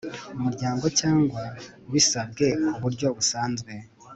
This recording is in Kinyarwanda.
umuryango cyangwa bisabwe ku buryo busanzwe